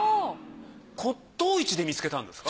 骨董市で見つけたんですか？